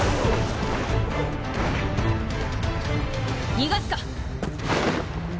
逃がすか！